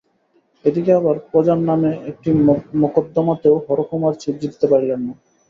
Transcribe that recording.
এ দিকে আবার প্রজার নামে একটি মকদ্দমাতেও হরকুমার জিতিতে পারিলেন না।